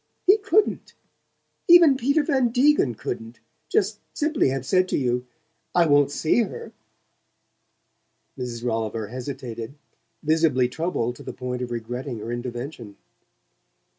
He couldn't even Peter Van Degen couldn't just simply have said to you: 'I wont see her.'" Mrs. Rolliver hesitated, visibly troubled to the point of regretting her intervention.